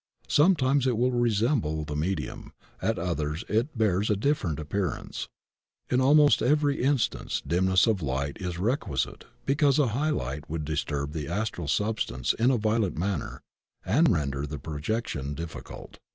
Sometimes it will resemble the medium; at others it bears a different appearance. In almost every in stance dimness of Ught is requisite because a high light would disturb the astral substance in a violent manner and render the projection diflBcult.